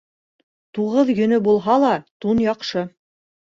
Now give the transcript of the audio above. Туғыҙ йөнө булһа ла тун яҡшы.